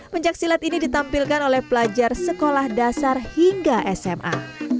pencaksilat ini ditampilkan oleh pelajar sekolah dasar hingga sma